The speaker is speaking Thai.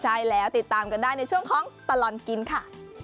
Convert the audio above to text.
ใช่แล้วติดตามกันได้ในช่วงของตลอดกินค่ะ